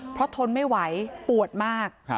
เพราะทนไม่ไหวปวดมาก